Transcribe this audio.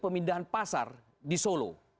pemindahan pasar di solo